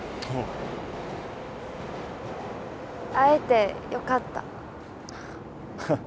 会えてよかった。